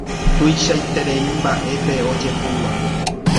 Tuichaiterei mbaʼe pe ojehúva.